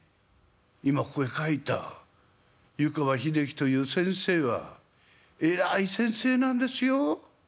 今ここへ書いた湯川秀樹という先生は偉い先生なんですよ。